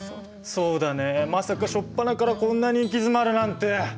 そうだねまさか初っぱなからこんなに行き詰まるなんて。